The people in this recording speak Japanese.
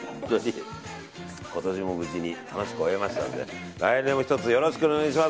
今年も無事に楽しく終えましたので来年もひとつよろしくお願いします。